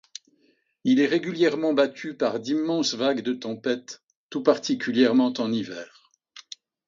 Il est régulièrement battu par d'immenses vagues de tempête, tout particulièrement en hiver.